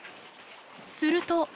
すると。